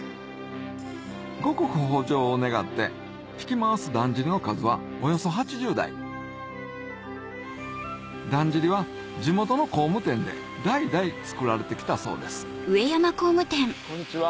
五穀豊穣を願ってひき回すだんじりの数はおよそ８０台だんじりは地元の工務店で代々作られてきたそうですこんにちは。